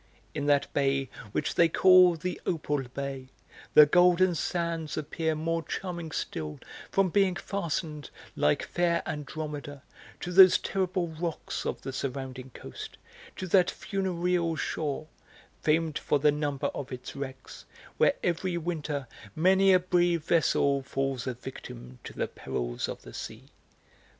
In that bay, which they call the Opal Bay, the golden sands appear more charming still from being fastened, like fair Andromeda, to those terrible rocks of the surrounding coast, to that funereal shore, famed for the number of its wrecks, where every winter many a brave vessel falls a victim to the perils of the sea.